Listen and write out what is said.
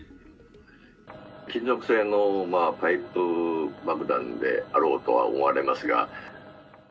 金属製のパイプ爆弾であろうとは思われますが。